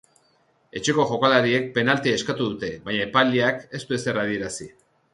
Etxeko jokalariek penaltia eskatu dute, baina epaileak ez du ezer adierazi.